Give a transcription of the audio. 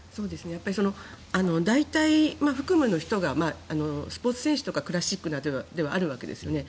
やっぱり代替服務の人がスポーツ選手とかクラシックなどではあるわけですよね。